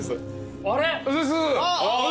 あれ？